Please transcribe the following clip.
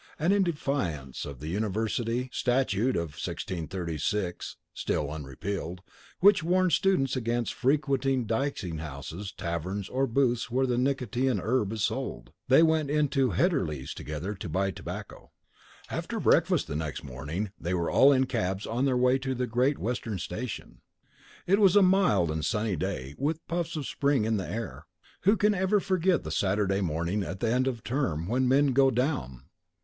And in defiance of the University statute of 1636 (still unrepealed) which warns students against "frequenting dicing houses, taverns, or booths where the nicotian herb is sold," they went into Hedderly's together to buy tobacco. After breakfast the next morning they were all in cabs on their way to the Great Western Station. It was a mild and sunny day, with puffs of spring in the air. Who can ever forget the Saturday morning at the end of term when the men "go down"?